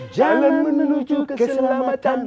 jalan menuju keselamatan